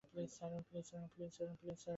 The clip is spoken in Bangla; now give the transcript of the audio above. প্লিজ, ছাড়ুন।